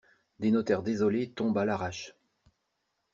Des notaires désolés tombent à l'arrache.